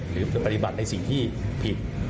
หรือปฏิบัติในสิ่งที่ผิด